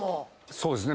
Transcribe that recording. そうですね。